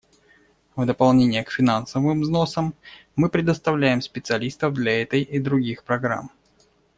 В дополнение к финансовым взносам мы предоставляем специалистов для этой и других программ.